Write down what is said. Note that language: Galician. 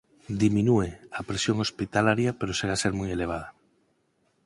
Diminúe a presión hospitalaria, pero segue a ser moi elevada